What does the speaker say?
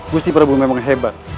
gusti prabu memang hebat